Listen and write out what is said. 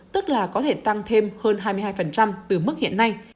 tức là có thể tăng thêm hơn hai mươi hai từ mức hiện nay